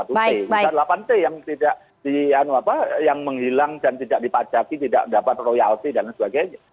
delapan t yang tidak di yang menghilang dan tidak dipajaki tidak dapat royalti dan sebagainya